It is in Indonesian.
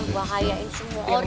bahayain semua orang